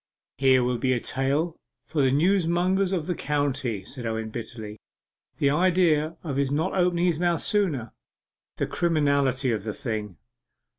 'Here will be a tale for the newsmongers of the county,' said Owen bitterly. 'The idea of his not opening his mouth sooner the criminality of the thing!